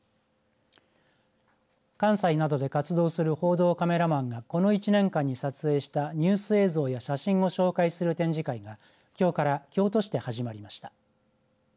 関西などで活動する報道カメラマンがこの１年間に撮影したニュース映像や写真を紹介する展示会がきょうから京都市で始まりました。